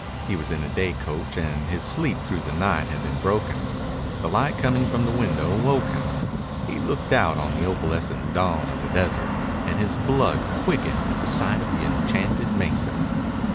He was in a day coach, and his sleep through the night had been broken. The light coming from the window woke him. He looked out on the opalescent dawn of the desert, and his blood quickened at sight of the enchanted mesa.